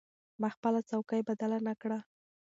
ما خپله څوکۍ بدله نه کړه.